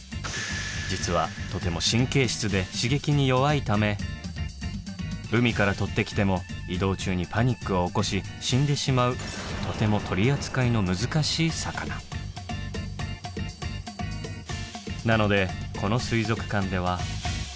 実はとても神経質で刺激に弱いため海からとってきても移動中にパニックを起こし死んでしまうとてもなのでこの水族館では。